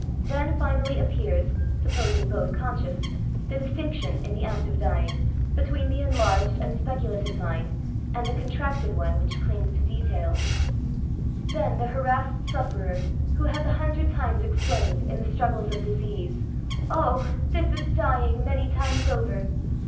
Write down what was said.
Then finally appears (supposing both conscious) the dis* tinction in the act of dying, between the eidarged 1 20 ESSAYS. and speculative mind and the contracted one which clings to details. Then the harassed sufferer^ who has a hundred times exclaimed^ in the struggles of disease, " O! this is dying many times over!"